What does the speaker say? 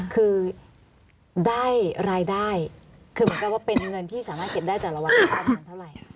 คือได้รายได้คือเหมือนกันว่าเป็นเงินที่สามารถเก็บได้แต่ละวันนี้ประมาณเท่าไหร่